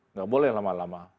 nggak boleh lama lama